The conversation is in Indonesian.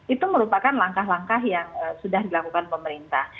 itu merupakan langkah langkah yang sudah dilakukan pemerintah